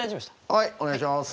はいお願いします。